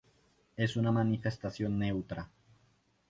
Es una manifestación neutra.